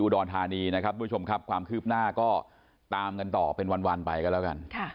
ก็ทำนั้นเองก็พูดอย่างแค่นั้นเอง